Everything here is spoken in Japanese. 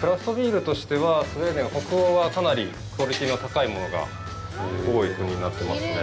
クラフトビールとしては、スウェーデン、北欧はかなりクオリティーの高いものが多い国になってますね。